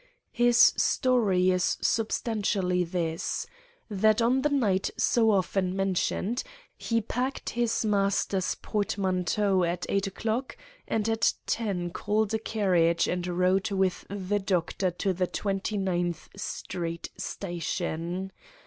His story is substantially this: That on the night so often mentioned, he packed his master's portmanteau at eight o'clock and at ten called a carriage and rode with the Doctor to the Twenty ninth Street station.